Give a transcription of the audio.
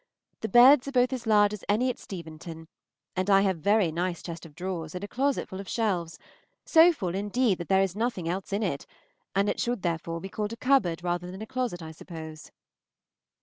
The beds are both as large as any at Steventon, and I have a very nice chest of drawers and a closet full of shelves, so full indeed that there is nothing else in it, and it should therefore be called a cupboard rather than a closet, I suppose.